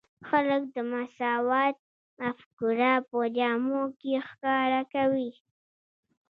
خلک د مساوات مفکوره په جامو کې ښکاره کوي.